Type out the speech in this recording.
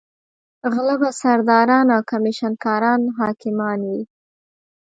غله به سرداران او کمېشن کاران حاکمان وي.